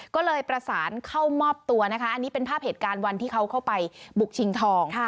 ก็เลยประสานเข้ามอบตัวนะคะอันนี้เป็นภาพเหตุการณ์วันที่เขาเข้าไปบุกชิงทอง